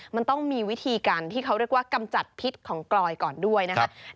มันต้องมีวิธีการที่เขาเรียกว่ากำจัดพิษของกลอยก่อนด้วยนะครับ